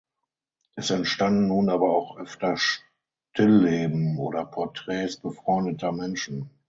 Es entstanden nun aber auch öfter Stillleben oder Porträts befreundeter Menschen.